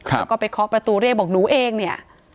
แล้วก็ไปเคาะประตูเรียกบอกหนูเองเนี่ย